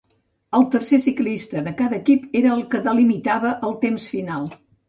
El tercer ciclista de cada equip era el que delimitava el temps final.